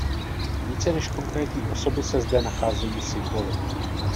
Více než konkrétní osoby se zde nacházejí symboly.